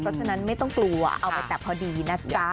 เพราะฉะนั้นไม่ต้องกลัวเอาไปแต่พอดีนะจ๊ะ